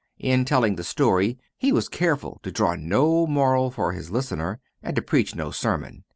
In telling the story he was careful to draw no moral for his listener, and to preach no sermon.